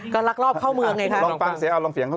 ก็รักรอบเข้าเมืองไงค่ะ